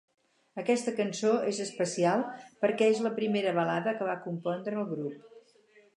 Aquesta cançó és especial perquè és la primera balada que va compondre el grup.